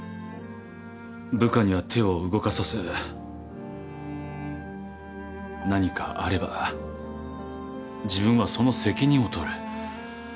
部下には手を動かさせ何かあれば自分はその責任を取る。